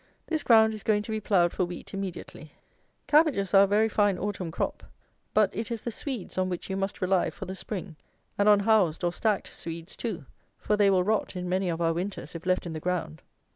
This ground is going to be ploughed for wheat immediately. Cabbages are a very fine autumn crop; but it is the Swedes on which you must rely for the spring, and on housed or stacked Swedes too; for they will rot in many of our winters, if left in the ground.